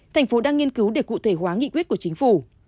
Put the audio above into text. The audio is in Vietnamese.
thành phố đang nghiên cứu để cụ thể hóa nghị quyết của chính phủ